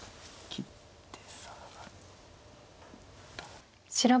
切って。